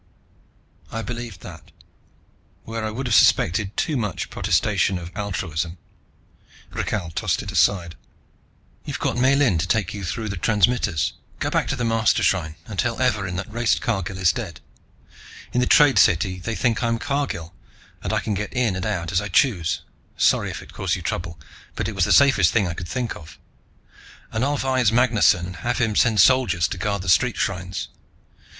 I believed that, where I would have suspected too much protestation of altruism. Rakhal tossed it aside. "You've got Miellyn to take you through the transmitters. Go back to the Mastershrine, and tell Evarin that Race Cargill is dead. In the Trade City they think I'm Cargill, and I can get in and out as I choose sorry if it caused you trouble, but it was the safest thing I could think of and I'll 'vise Magnusson and have him send soldiers to guard the street shrines.